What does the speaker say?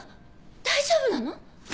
大丈夫なの！？